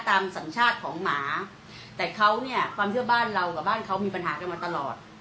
สัญชาติของหมาแต่เขาเนี่ยความเชื่อบ้านเรากับบ้านเขามีปัญหากันมาตลอด